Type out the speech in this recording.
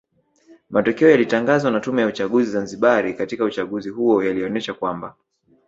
Matokeo yaliyatangazwa na Tume ya uchaguzi Zanzibari katika uchaguzi huo yalionesha kwamba